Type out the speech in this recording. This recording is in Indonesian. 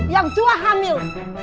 yang tua hamil